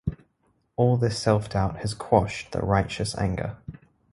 All this self-doubt has quashed the righteous anger.